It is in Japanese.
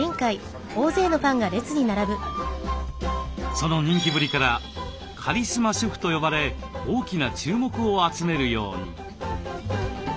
その人気ぶりから「カリスマ主婦」と呼ばれ大きな注目を集めるように。